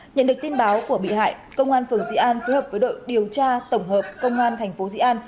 nhận được tin báo của bị hại công an phường dị an phối hợp với đội điều tra tổng hợp công an thành phố dĩ an